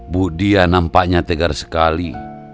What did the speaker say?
bu dia nampaknya tegar sekali